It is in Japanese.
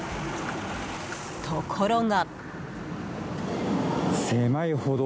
ところが。